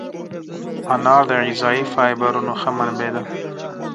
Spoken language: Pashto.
انار د غذایي فایبرونو ښه منبع ده.